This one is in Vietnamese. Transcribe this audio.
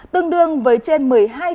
tương đương với trên một mươi hai tỷ đồng